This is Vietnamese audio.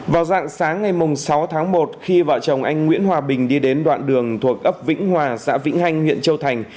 vào dạng sáng ngày sáu tháng một khi vợ chồng anh nguyễn hòa bình đi đến đoạn đường thuộc ấp vĩnh hòa xã vĩnh hanh huyện châu thành